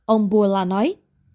ông bourla nói